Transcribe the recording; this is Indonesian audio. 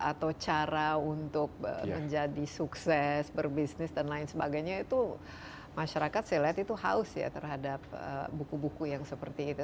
atau cara untuk menjadi sukses berbisnis dan lain sebagainya itu masyarakat saya lihat itu haus ya terhadap buku buku yang seperti itu